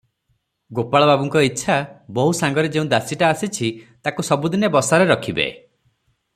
ଗୋପାଳବାବୁଙ୍କ ଇଚ୍ଛା, ବୋହୂ ସାଙ୍ଗରେ ଯେଉଁ ଦାସୀଟା ଆସିଛି, ତାକୁ ସବୁଦିନେ ବସାରେ ରଖିବେ ।